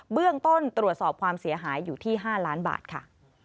เบื้องต้นตรวจสอบความเสียหายอยู่ที่๕ล้านบาทค่ะ